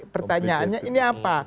pertanyaannya ini apa